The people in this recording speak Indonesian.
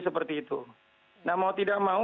seperti itu nah mau tidak mau